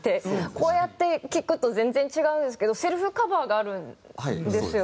こうやって聴くと全然違うんですけどセルフカバーがあるんですよね？